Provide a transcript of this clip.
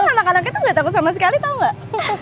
malah anak anaknya tuh gak takut sama sekali tau gak